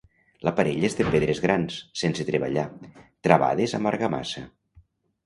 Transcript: L'aparell és de pedres grans, sense treballar, travades amb argamassa.